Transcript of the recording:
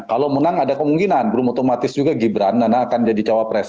kalau menang ada kemungkinan belum otomatis juga gibran karena akan jadi cawa pres